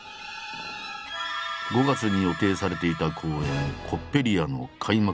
５月に予定されていた公演「コッペリア」の開幕